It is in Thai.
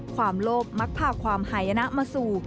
ความโลภมักพาความหายนะมาสู่